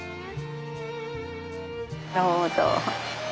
どうぞ。